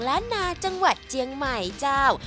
ล้านนาจังหวัดเจียงใหม่เจ้า